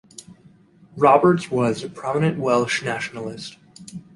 Roberts was a prominent Welsh nationalist.